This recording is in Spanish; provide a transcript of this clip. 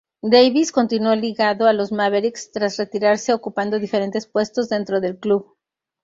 Davis continuó ligado a los Mavericks tras retirarse, ocupando diferentes puestos dentro del club.